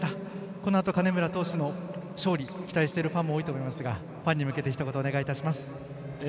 このあとも金村投手の勝利を期待されているファンも多いかと思いますがファンに向けて、ひと言お願いいたします。